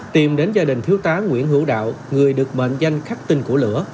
tìm đến gia đình thiếu tá nguyễn hữu đạo người được mệnh danh khắc tinh của lửa